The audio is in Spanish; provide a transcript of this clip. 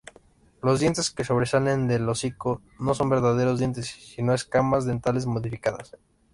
Los dientes que sobresalen del hocico no son verdaderos dientes, sino escamas dentales modificadas.